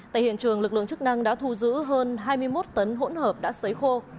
tại hiện trường lực lượng chức năng đã thu giữ hơn hai mươi một tấn hỗn hợp đã xấy khô